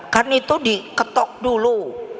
kan itu diketok dulu